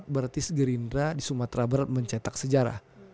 berarti gerindra di sumatera barat mencetak sejarah